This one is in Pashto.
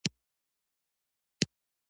سهار د پاکو نیتونو وخت دی.